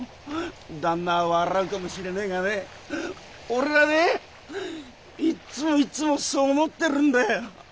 旦那は笑うかもしれねえがね俺はねいっつもいっつもそう思ってるんだよ。